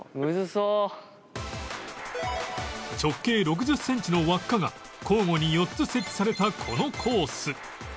直径６０センチの輪っかが交互に４つ設置されたこのコース